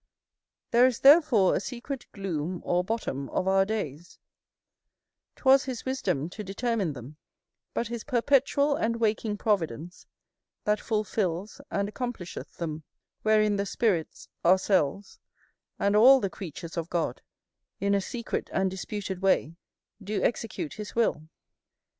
There is therefore a secret gloom or bottom of our days: 'twas his wisdom to determine them: but his perpetual and waking providence that fulfils and accomplisheth them; wherein the spirits, ourselves, and all the creatures of God, in a secret and disputed way, do execute his will.